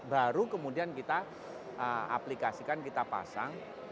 baru kemudian kita aplikasikan kita pasang